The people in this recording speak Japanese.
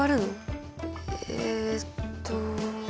えっと。